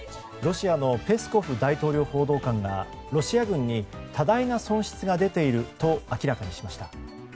ロシアのペスコフ大統領報道官がロシア軍に多大な損失が出ていると明らかにしました。